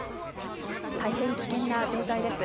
大変危険な状態です。